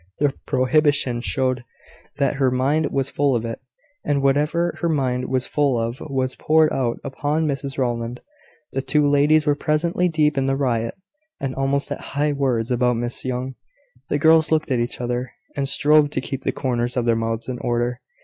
The prohibition showed that her mind was full of it: and whatever her mind was full of was poured out upon Mrs Rowland. The two ladies were presently deep in the riot, and almost at high words about Miss Young. The girls looked at each other, and strove to keep the corners of their mouths in order.